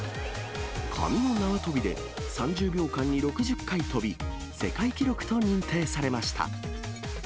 髪の縄跳びで３０秒間に６０回跳び、世界記録と認定されました。